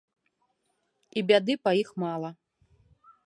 І бяды па іх мала.